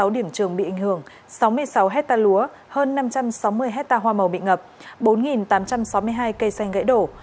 ba mươi sáu điểm trường bị ảnh hưởng sáu mươi sáu hecta lúa hơn năm trăm sáu mươi hecta hoa màu bị ngập bốn tám trăm sáu mươi hai cây xanh gãy đổ